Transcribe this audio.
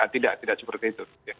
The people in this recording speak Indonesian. tidak tidak seperti itu